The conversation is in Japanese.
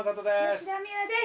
吉田美和です。